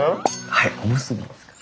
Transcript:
はいおむすびですかね。